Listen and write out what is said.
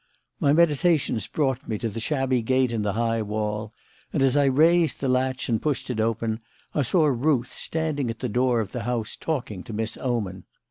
My meditations brought me to the shabby gate in the high wall, and as I raised the latch and pushed it open, I saw Ruth standing at the door of the house talking to Miss Oman.